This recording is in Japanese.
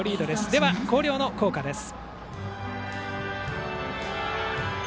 では、広陵の校歌です。